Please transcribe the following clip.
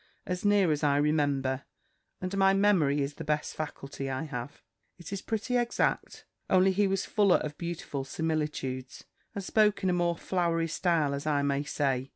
As near as I remember (and my memory is the best faculty I have), it is pretty exact; only he was fuller of beautiful similitudes, and spoke in a more flowery style, as I may say.